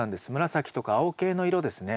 紫とか青系の色ですね。